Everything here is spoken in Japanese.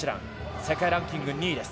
世界ランキング２位です。